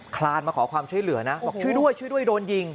คลานมาขอความช่วยเหลือนะบอกช่วยด้วยช่วยด้วยโดนยิง